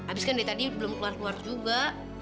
habiskan dia tadi belum keluar keluar juga